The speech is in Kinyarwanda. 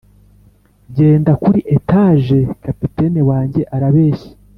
genda kuri etage kapiteni wanjye arabeshya,